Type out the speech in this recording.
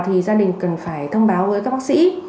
thì gia đình cần phải thông báo với các bác sĩ